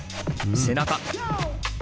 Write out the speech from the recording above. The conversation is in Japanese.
背中。